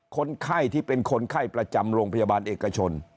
คนไข้ที่เป็นคนไข้ประจำโรงพยาบาลเอกชน